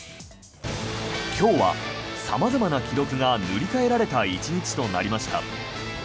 今日は様々な記録が塗り替えられた１日となりました。